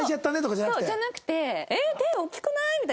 じゃなくて「えっ手大きくない？」